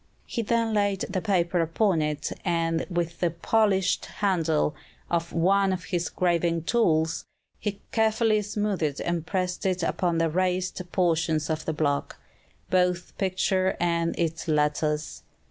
He then laid the paper upon it, and, with the polished handle of one of his graving tools, carefully smoothed and pressed it upon the raised portions of the block, both picture and its letters.